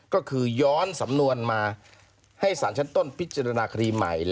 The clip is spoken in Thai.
ก็คือย้อนสำนวนมาให้สารชั้นต้นพิจารณาคดีใหม่